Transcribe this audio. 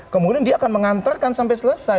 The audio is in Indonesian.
kemudian dia akan mengantarkan sampai selesai